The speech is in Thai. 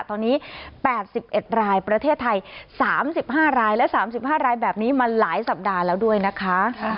ตอนนี้๘๑รายประเทศไทย๓๕รายและ๓๕รายแบบนี้มาหลายสัปดาห์แล้วด้วยนะคะ